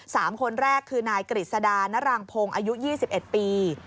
สามคนแรกคือนายกฤษฎานรังโพงอายุ๒๑ปี